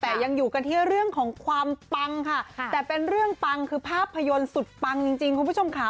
แต่ยังอยู่กันที่เรื่องของความปังค่ะแต่เป็นเรื่องปังคือภาพยนตร์สุดปังจริงคุณผู้ชมค่ะ